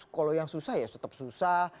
kalau yang susah ya tetap susah